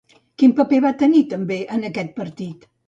Quin paper va tenir també en aquest partit?